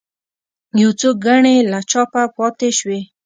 یو څو ګڼې له چاپه پاتې شوې.